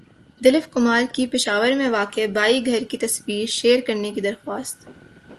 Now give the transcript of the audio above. دلیپ کمار کی پشاور میں واقع بائی گھر کی تصاویر شیئر کرنے کی درخواست